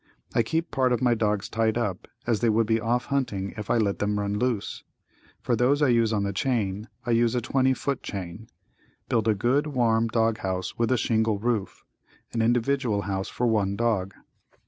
I keep part of my dogs tied up, as they would be off hunting if I let them run loose. For those I use on the chain I use a 20 foot chain. Build a good, warm dog house with a shingle roof, an individual house for one dog.